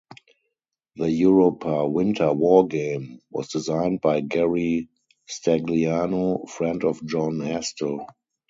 The Europa Winter War Game was designed by Gary Stagliano, friend of John Astell.